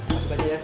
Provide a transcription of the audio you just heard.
masih banyak ya